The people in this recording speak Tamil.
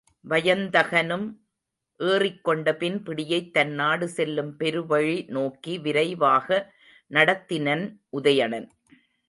வயந்தகனும் ஏறிக்கொண்டபின் பிடியைத் தன்நாடு செல்லும் பெருவழி நோக்கி விரைவாக நடத்தினன் உதயணன்.